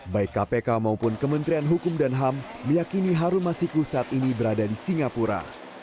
baik kpk maupun kementerian hukum dan ham meyakini harun masiku saat ini berada di singapura